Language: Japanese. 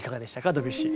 ドビュッシー。